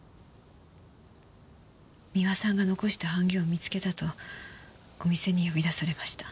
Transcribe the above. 三輪さんが残した版木を見つけたとお店に呼び出されました。